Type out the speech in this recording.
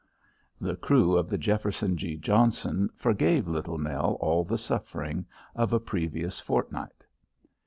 The crew of the Jefferson G. Johnson forgave Little Nell all the suffering of a previous fortnight.